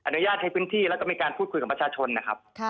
อนุญาตให้พื้นที่แล้วก็มีการพูดคุยกับประชาชนนะครับ